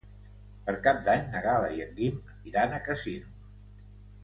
Per Cap d'Any na Gal·la i en Guim iran a Casinos.